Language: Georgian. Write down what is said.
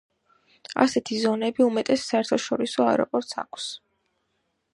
ასეთი ზონები უმეტეს საერთაშორისო აეროპორტს აქვს.